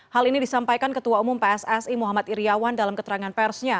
hal ini disampaikan ketua umum pssi muhammad iryawan dalam keterangan persnya